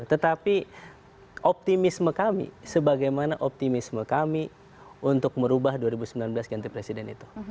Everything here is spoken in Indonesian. tetapi optimisme kami sebagaimana optimisme kami untuk merubah dua ribu sembilan belas ganti presiden itu